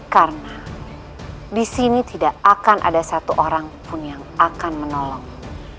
karena di sini tidak akan ada satu orang pun yang akan menolongmu